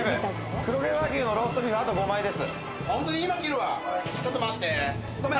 黒毛和牛のローストビーフです。